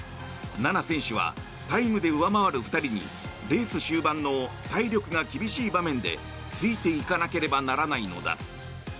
菜那選手はタイムで上回る２人にレース終盤の体力が厳しい場面でついていかなければならないのだ。